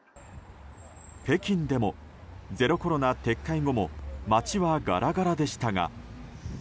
北京でも、ゼロコロナ撤回後も街はガラガラでしたが。